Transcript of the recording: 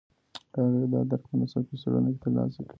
هغې دا درک په ناڅاپي څېړنه کې ترلاسه کړ.